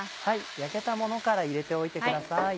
焼けたものから入れておいてください。